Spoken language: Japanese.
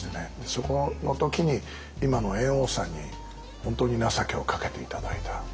そこの時に今の猿翁さんに本当に情けをかけて頂いた。